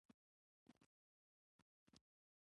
خو هوشیاران ورته غوږ نیسي.